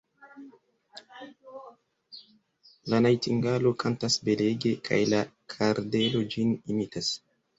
La najtingalo kantas belege, kaj la kardelo ĝin imitas.